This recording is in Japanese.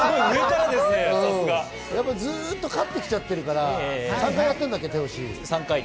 ずっと勝ってきちゃってるから、３回やってるんだっけ？